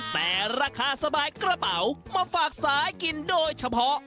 แต่ราคาสบายกระเป๋ามาฝากสายกินโดยเฉพาะ